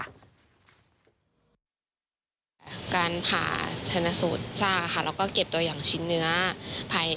ผ่าธนสูตรชาติค่ะแล้วก็เก็บตัวอย่างชิ้นเนื้อ